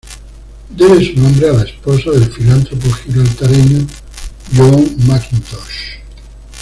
Debe su nombre a la esposa del filántropo gibraltareño John Mackintosh.